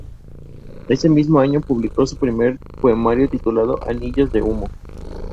Jugaba como defensa y su último equipo fue el Cortuluá.